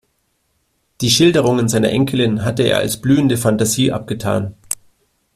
Die Schilderungen seiner Enkelin hatte er als blühende Fantasie abgetan.